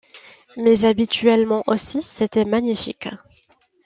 Mais habituellement aussi c'était magnifique.